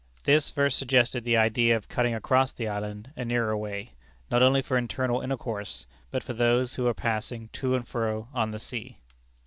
This first suggested the idea of cutting across the island a nearer way, not only for internal intercourse, but for those who were passing to and fro on the sea.